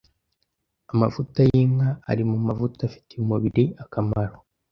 amavuta y’inka ari mu mavuta afitiye umubiri akamaro